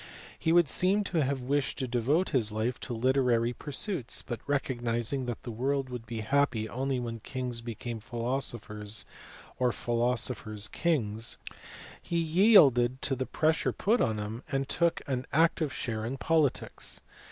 He % would seem to have wished to devote his life to literary pursuits ; but recognizing " that the world would be happy only when kings became philosophers or philosophers kings," he yielded to the pressure put on him and took an active share in politics.